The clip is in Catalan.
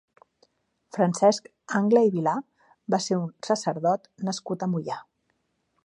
Francesc Angla i Vilar va ser un sacerdot nascut a Moià.